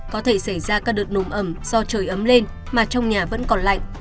có thể xảy ra các đợt nồm ẩm do trời ấm lên mà trong nhà vẫn còn lạnh